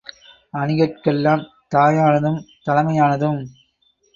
அணிகட்கெல்லாம் தாயானதும் தலைமையானதும்